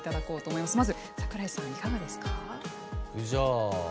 まず櫻井さん、いかがですか？